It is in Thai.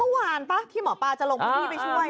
ว่าหวานป่ะที่หมอปลาจะลงที่นี้ไปช่วย